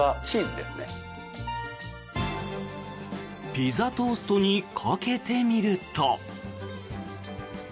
ピザトーストにかけてみると。